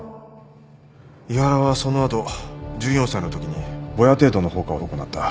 井原はその後１４歳のときにぼや程度の放火を行った。